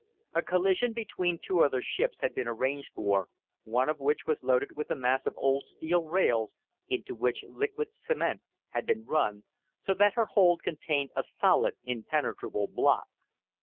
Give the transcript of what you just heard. "A collision between two other ships had been arranged for, one of which was loaded with a mass of old steel rails into which liquid cement had been run, so that her hold contained a solid impenetrable block.